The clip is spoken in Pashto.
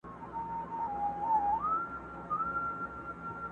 حافظه يې له ذهن نه نه وځي